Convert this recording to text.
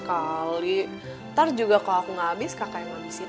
ntar juga kalau aku gak habis kakak yang ngabisin